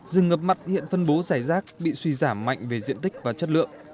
rừng ngập mặn hiện phân bố giải rác bị suy giảm mạnh về diện tích và chất lượng